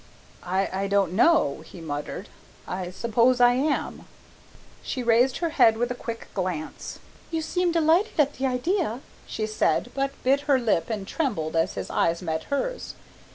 "I don't know," he muttered, "I suppose I am." She raised her head with a quick gesture. "You seem delighted at the idea," she said, but bit her lip and trembled as his eyes met hers.